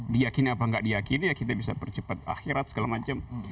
diyakini atau tidak diyakini ya kita bisa percepat akhirat segala macam